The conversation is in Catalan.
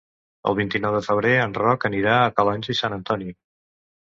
El vint-i-nou de febrer en Roc anirà a Calonge i Sant Antoni.